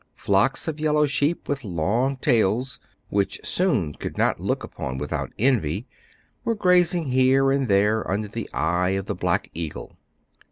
Flocks of yellow sheep with long tails — which Soun could not look upon without envy — were grazing here and there under the eye of the black eagle.